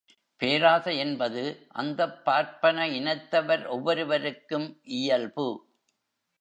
பேராசை என்பது அந்தப் பார்ப்பன இனத்தவர் ஒவ்வொருவருக்கும் இயல்பு.